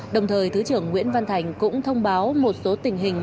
đồng thời thứ trưởng nguyễn văn thành cũng thông báo một số tình hình